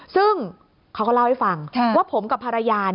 ซึ่งเขาก็เล่าให้ฟังว่าผมกับภรรยา